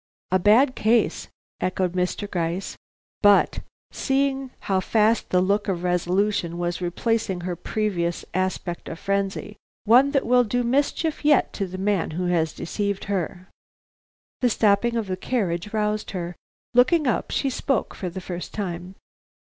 "A bad case!" echoed Mr. Gryce, "but," seeing how fast the look of resolution was replacing her previous aspect of frenzy, "one that will do mischief yet to the man who has deceived her." The stopping of the carriage roused her. Looking up, she spoke for the first time.